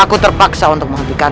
aku terpaksa untuk menghentikan